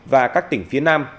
và các tỉnh phía nam